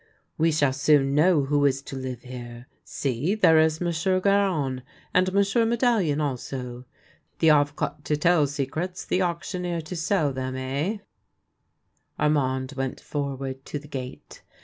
" We shall soon know who is to live here. See, there is Monsieur Garon, and Monsieur Medallion also." " The Avocat to tell secrets, the auctioneer to sell 2 IS THE LANE THAT HAD NO TURNING them — eh ?" Armand went forward to the gate.